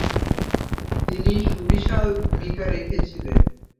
তিনি সুবিশাল ভূমিকা রেখেছিলেন।